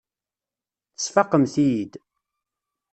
Tesfaqemt-iyi-id.